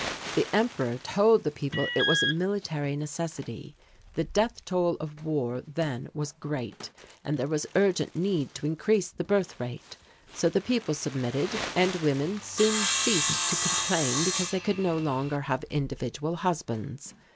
The Emperor told the people it was a military necessity. The death toll of war then was great and there was urgent need to increase the birth rate, so the people submitted and women soon ceased to complain because they could no longer have individual husbands.